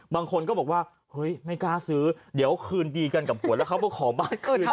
บางคนก็บอกว่าเฮ้ยไม่กล้าซื้อเดี๋ยวคืนดีกันกับผัวแล้วเขามาขอบ้านคืนดีกว่า